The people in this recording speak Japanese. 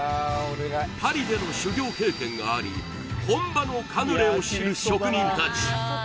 パリでの修業経験があり本場のカヌレを知る職人たち